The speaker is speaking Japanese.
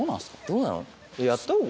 どうなの？